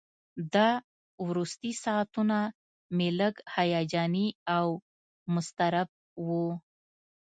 دا وروستي ساعتونه مې لږ هیجاني او مضطرب وو.